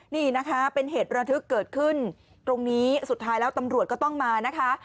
นี่นะคะเป็นเหตุระทึกเกิดขึ้นตรงนี้สุดท้ายแล้วตำรวจก็ต้องมานะคะ